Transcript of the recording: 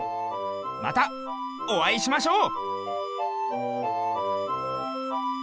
またおあいしましょう！